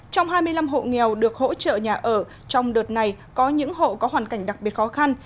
trong hai mươi năm hộ nghèo được hỗ trợ nhà ở trong đợt này có những hộ có hoàn cảnh đặc biệt khó khăn